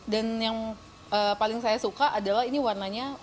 dan yang paling saya suka adalah ini warnanya